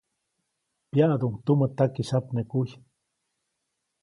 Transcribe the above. Pyaʼduʼuŋ tumä takisyapnekuy.